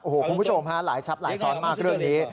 โอ้โหคุณผู้ชมฮะหลายทรัพย์หลายซ้อนมากเรื่องนี้